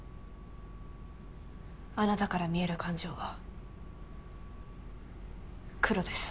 あなたから見える感情は黒です。